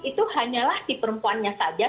itu hanyalah si perempuannya saja